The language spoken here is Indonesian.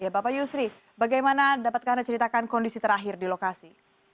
bapak yusri bagaimana dapatkah anda ceritakan kondisi terakhir di lokasi